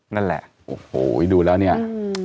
นั่นแหละโอ้โหดูแล้วเนี่ย